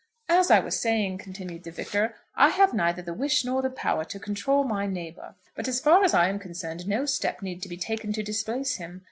"As I was saying," continued the Vicar, "I have neither the wish nor the power to control my neighbour; but, as far as I am concerned, no step need be taken to displace him.